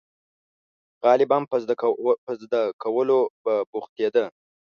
• غالباً په زده کولو به بوختېده.